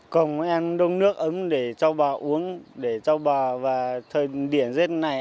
còn em đông nước ấm để châu bò uống để châu bò và thời điện giết này